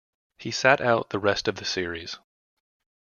He sat out the rest of the series.